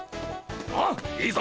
ああいいぞ！